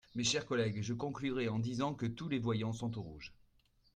Mes chers collègues, je conclurai en disant que tous les voyants sont au rouge.